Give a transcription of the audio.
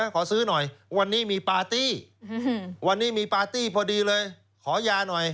ขอซื้อหน่อยวันนี้มีปาร์ตี้วันนี้มีปาร์ตี้พอดีเลยขอยาหน่อย